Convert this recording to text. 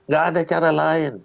gak ada cara lain